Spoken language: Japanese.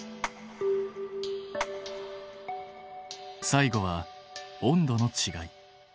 最後は温度のちがい。